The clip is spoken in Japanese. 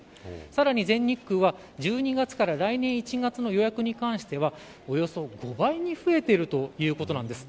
さらに全日空は１２月から来年１月の予約に関してはおよそ５倍に増えているということなんです。